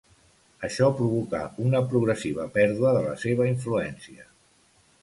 Això provocà una progressiva pèrdua de la seva influència.